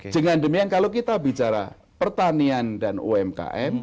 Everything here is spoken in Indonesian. dengan demikian kalau kita bicara pertanian dan umkm